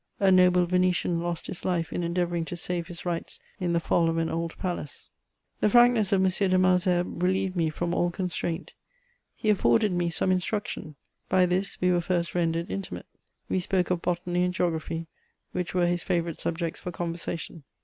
A noble Venetian lost his life in endeavouring to save his rights in the fall of an old palace. The frankness of M. de Malesherbes relieved me from all constraint. He afforded me some instruction. By this we were first rendered intimate. We spoke of botany and geography, which were his favourite subjects for conversation.